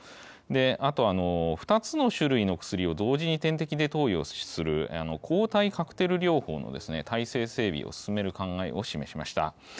あと、２つの種類の薬を同時に点滴で投与をする、抗体カクテル療法の体制整備を進める考えを示しました。